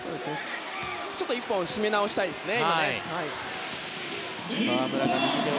ここは１本締め直したいですね。